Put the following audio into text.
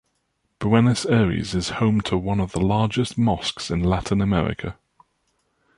Buenos Aires is home to one of the largest mosques in Latin America.